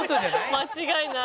間違いない。